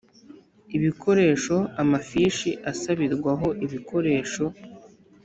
ibikoresho amafishi asabirwaho ibikoresho